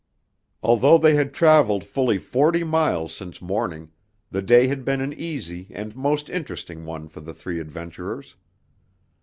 Although they had traveled fully forty miles since morning, the day had been an easy and most interesting one for the three adventurers.